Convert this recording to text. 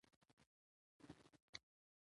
زده کړه ښځه د کورني اقتصاد مدیریت زده کوي.